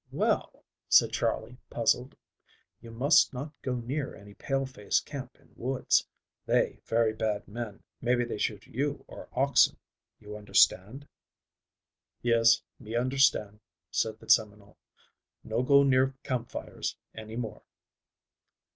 "Well," said Charley, puzzled. "You must not go near any pale face camp in woods. They very bad men. Maybe they shoot you or oxen. You understand?" "Yes, me understand," said the Seminole. "No go near campfires any more."